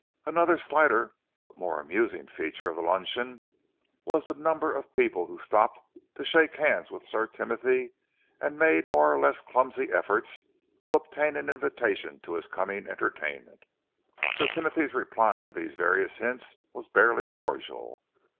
Another slighter but more amusing feature of the luncheon was the number of people who stopped to shake hands with Sir Timothy and made more or less clumsy efforts to obtain an invitation to his coming entertainment. Sir Timothy's reply to these various hints was barely cordial.